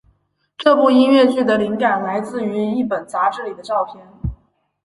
这部音乐剧的灵感来自于一本杂志里的照片。